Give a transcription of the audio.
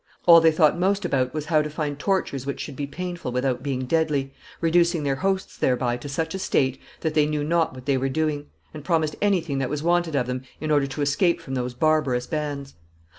All they thought most about was how to find tortures which should be painful without being deadly, reducing their hosts thereby to such a state that they knew not what they were doing, and promised anything that was wanted of them in order to escape from those barbarous bands.